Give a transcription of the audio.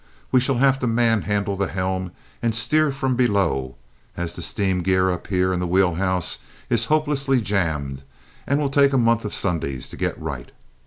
We shall have to manhandle the helm and steer from below, as the steam gear up here in the wheel house is hopelessly jammed and will take a month of Sundays to get right!"